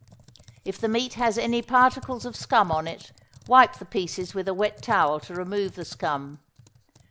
If the meat has any particles of scum on it, wipe the pieces with a wet towel to remove the scum.